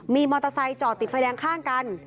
มีมอเตอร์ไซค์จอดติดไฟแดงข้างกัน